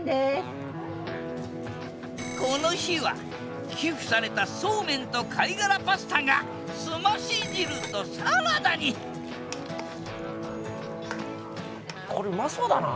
この日は寄付されたそうめんと貝殻パスタがすまし汁とサラダにこれうまそうだな。